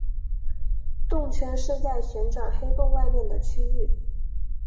动圈是在旋转黑洞外面的区域。